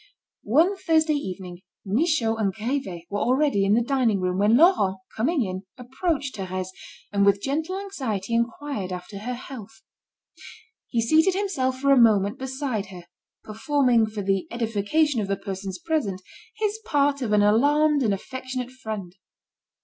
One Thursday evening, Michaud and Grivet were already in the dining room, when Laurent coming in, approached Thérèse, and with gentle anxiety inquired after her health. He seated himself for a moment beside her, performing for the edification of the persons present, his part of an alarmed and affectionate friend.